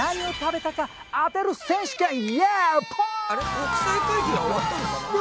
国際会議は終わったのかな？